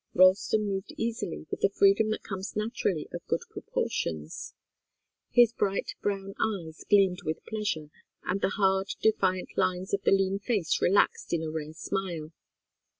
Ralston moved easily, with the freedom that comes naturally of good proportions. His bright brown eyes gleamed with pleasure, and the hard, defiant lines of the lean face relaxed in a rare smile.